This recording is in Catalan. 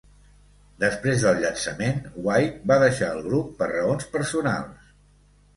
Després del llançament, White va deixar el grup per raons personals.